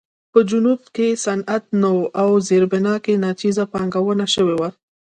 په جنوب کې صنعت نه و او زیربنا کې ناچیزه پانګونه شوې وه.